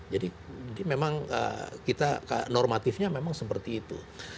jadi memang kita normatifnya memang seperti itu